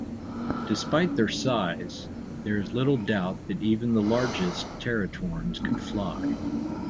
Despite their size, there is little doubt that even the largest teratorns could fly.